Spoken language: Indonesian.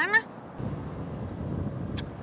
maksudnya tau dari mana